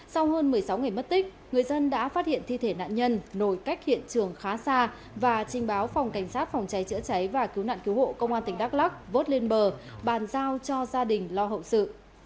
sau hơn một mươi sáu ngày mất tích người dân đã phát hiện thi thể nạn nhân nổi cách hiện trường khá xa và trinh báo phòng cảnh sát phòng cháy chữa cháy và cứu nạn cứu hộ công an tỉnh đắk lắc vốt lên bờ bàn giao cho gia đình lo hậu sự